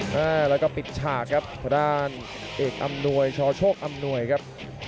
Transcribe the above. แล้วก็ปิดฉากครับทางด้านเอกอำนวยชโชคอำนวยครับ